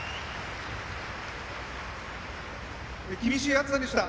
厳しい暑さでした。